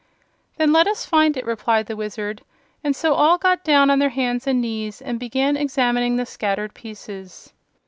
"Then let us find it," replied the Wizard, and so all got down on their hands and knees and began examining the scattered pieces.